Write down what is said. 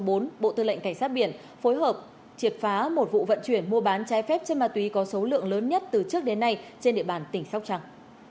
bộ tư lệnh cảnh sát biển phối hợp triệt phá một vụ vận chuyển mua bán trái phép trên ma túy có số lượng lớn nhất từ trước đến nay trên địa bàn tỉnh sóc trăng